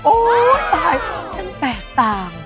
โอ้วววดบ๊ายฉันแตกต่าง